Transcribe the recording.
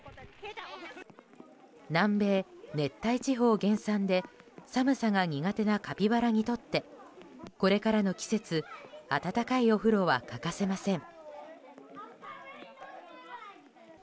南米熱帯地方原産で寒さが苦手なカピバラにとってこれからの季節温かいお風呂は欠かせません。